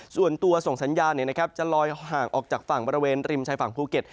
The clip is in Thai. ส่วนตัวส่งสัญญาณจะลอยห่างออกจากฝั่งบริเวณริมชายฝั่งภูเก็ต